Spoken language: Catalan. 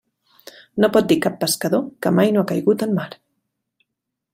No pot dir cap pescador que mai no ha caigut en mar.